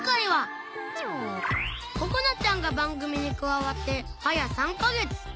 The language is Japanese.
ここなちゃんが番組に加わってはや３カ月